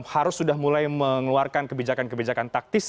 harus sudah mulai mengeluarkan kebijakan kebijakan taktis